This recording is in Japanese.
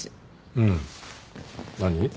うん。何？